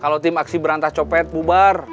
kalau tim aksi berantah copet bubar